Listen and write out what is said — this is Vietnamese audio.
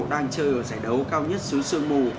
đang chơi ở giải đấu cao nhất sứ sơn mù